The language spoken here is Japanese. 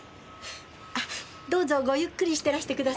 あっどうぞごゆっくりしてらしてくださいね。